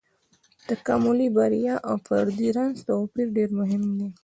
د تکاملي بریا او فردي رنځ توپير ډېر مهم دی.